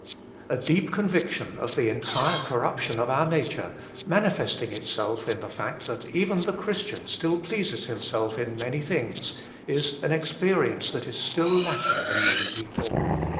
l A deep conviction of the entire corruption of our nature, manifesting itself in the fact that even the Christian still pleases himself in many 1 Matt. .\vi. 2 i. 70 THE FULL BLESSING OF PENTECOST things, is an experience that is still lacking in many people.